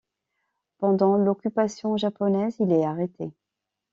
Pendant l'occupation japonaise, il est arrêté.